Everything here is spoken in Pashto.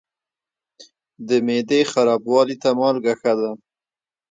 د معدې خرابوالي ته مالګه ښه ده.